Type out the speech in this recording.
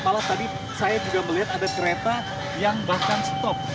malah tadi saya juga melihat ada kereta yang bahkan stop